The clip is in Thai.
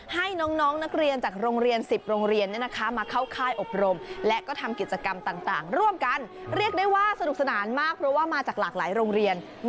ให้น้องนักเรียนจาก๑๐โรงเรียนมาเข้าค่ายอบรม